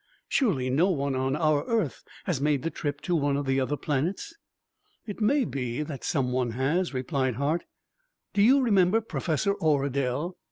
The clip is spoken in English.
"Surely no one from our earth has made the trip to one of the other planets?" "It may be that someone has," replied Hart. "Do you remember Professor Oradel?